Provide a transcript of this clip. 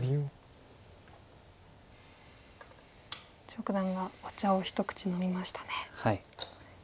張九段がお茶を一口飲みましたね。